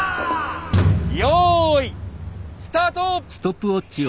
よいスタート！